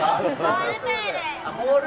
ボールプール！